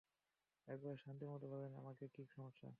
একবার শান্তিমত বলেন আমাকে কি সমস্যা।